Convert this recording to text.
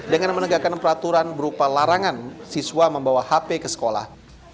dengan menegakkan peraturan berupa larangan siswa membawa hp ke sekolah